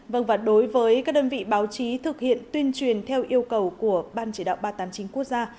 vâng và đối với các đơn vị báo chí thực hiện tuyên truyền theo yêu cầu của ban chỉ đạo ba trăm tám mươi chín quốc gia